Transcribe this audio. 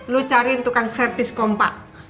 lo cariin tukang servis kompak